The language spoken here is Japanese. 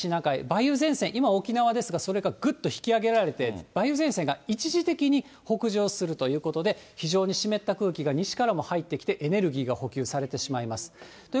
低気圧が発生します、東シナ海、梅雨前線、今、沖縄ですが、それがぐっと引き上げられて、梅雨前線が一時的に北上するということで、非常に湿った空気が西からも入ってきて、エネルギーが補給されてしまいます。